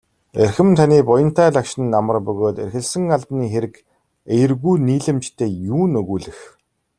Эрхэм таны буянтай лагшин амар бөгөөд эрхэлсэн албаны хэрэг эергүү нийлэмжтэй юун өгүүлэх.